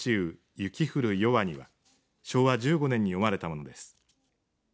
雪ふる夜半には昭和１５年に詠まれたものです。